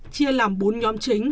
chia làm bốn nhóm chính